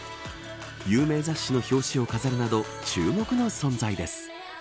有名雑誌の表紙を飾るなど注目の存在です。